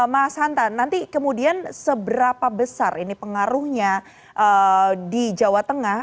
mas hanta nanti kemudian seberapa besar ini pengaruhnya di jawa tengah